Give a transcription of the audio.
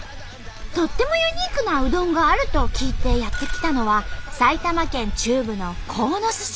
とってもユニークなうどんがあると聞いてやって来たのは埼玉県中部の鴻巣市。